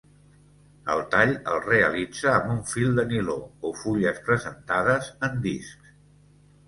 El tall el realitza amb un fil de niló o fulles presentades en discs.